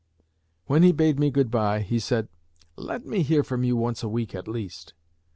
When he bade me good bye, he said, 'Let me hear from you once a week at least.'